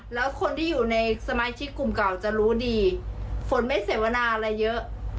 แล้วคนที่อยู่ในสมาชิกกลุ่มเก่าจะรู้ดีฝนไม่เสวนาอะไรเยอะ